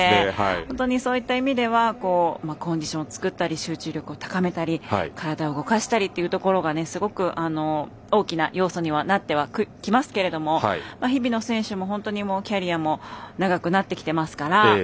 本当にそういった意味ではコンディション作ったり集中力を高めたり体を動かしたりというところがすごく大きな要素にはなってきますが日比野選手も、本当にキャリアも長くなってきていますから。